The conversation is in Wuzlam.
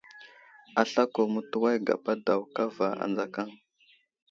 Aslako mətuway gapa daw kava adzakaŋ.